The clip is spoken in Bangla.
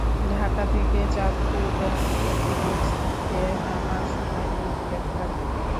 ঢাকা থেকে চাঁদপুরগামী একটি লঞ্চ থেকে নামার সময় তিনি গ্রেপ্তার হন।